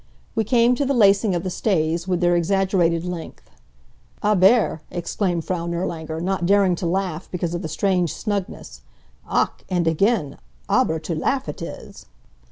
We came to the lacing of the stays, with their exaggerated length. "Aber!" exclaimed Frau Nirlanger, not daring to laugh because of the strange snugness. "Ach!" and again, "Aber to laugh it is!"